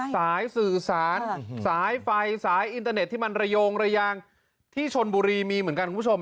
สายสื่อสารสายไฟสายอินเตอร์เน็ตที่มันระโยงระยางที่ชนบุรีมีเหมือนกันคุณผู้ชม